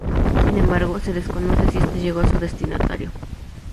Sin embargo, se desconoce si este llegó a su destinatario.